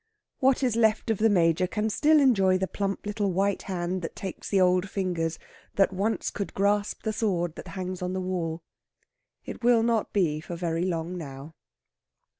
What is left of the Major can still enjoy the plump little white hand that takes the old fingers that once could grasp the sword that hangs on the wall. It will not be for very long now.